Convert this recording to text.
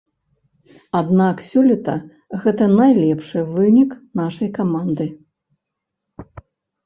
Аднак сёлета гэта найлепшы вынік нашай каманды.